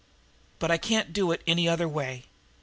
But I can't do it any other way.